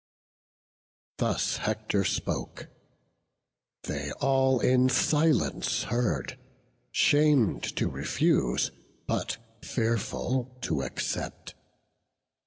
Thus Hector spoke; they all in silence heard, Sham'd to refuse, but fearful to accept.